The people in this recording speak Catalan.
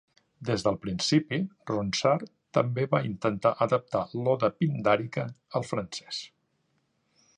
Des del principi, Ronsard també va intentar adaptar l'oda pindàrica al francès.